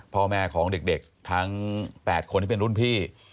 พ่อแม่ของเด็กทั้ง๘คนที่เป็นรุ่นพี่